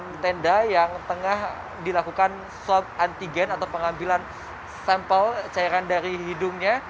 di tenda yang tengah dilakukan swab antigen atau pengambilan sampel cairan dari hidungnya